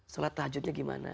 sholat tahajudnya gimana